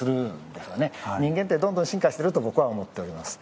人間ってどんどん進化してると僕は思っております。